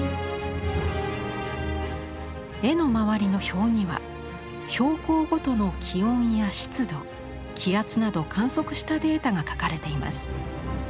絵の周りの表には標高ごとの気温や湿度気圧など観測したデータが書かれています。